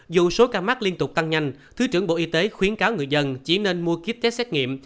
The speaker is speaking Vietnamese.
dù số ca mắc liên tục tăng nhanh thứ trưởng bộ y tế khuyến cáo người dân chỉ nên mua kiếp test xét nghiệm